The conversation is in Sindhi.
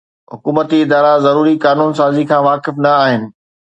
حڪومتي ادارا ضروري قانون سازي کان واقف نه آهن